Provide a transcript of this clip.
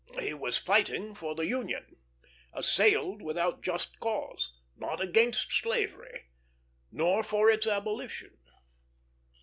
He was fighting for the Union, assailed without just cause; not against slavery, nor for its abolition.